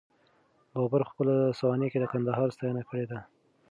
بابر په خپله سوانح کي د کندهار ستاینه کړې ده.